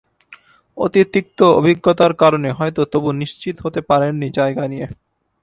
অতীত তিক্ত অভিজ্ঞতার কারণে হয়তো তবু নিশ্চিত হতে পারেননি জায়গা নিয়ে।